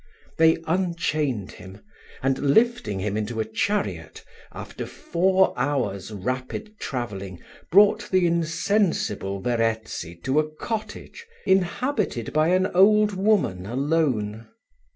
They unchained him, and lifting him into a chariot, after four hours rapid travelling, brought the insensible Verezzi to a cottage, inhabited by an old woman alone.